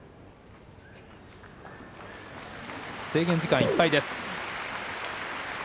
制限時間いっぱいです。